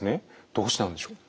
どうしてなんでしょう？